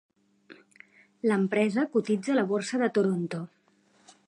L'empresa cotitza a la Borsa de Toronto.